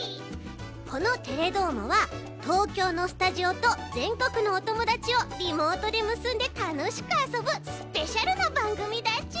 この「テレどーも！」は東京のスタジオとぜんこくのおともだちをリモートでむすんでたのしくあそぶスペシャルなばんぐみだち！